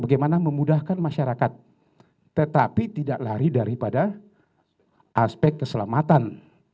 bagaimana memudahkan masyarakat tetapi tidak lari daripada aspek keselamatan